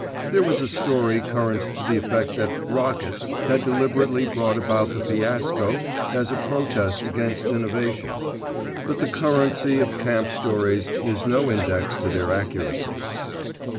There was a story current to the effect that "Rockets" had deliberately brought about the fiasco as a protest against innovation; but the currency of camp stories is no index to their accuracy.